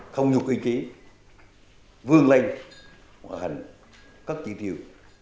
không nhục ý chí vương linh hỏa hành cất trị tiêu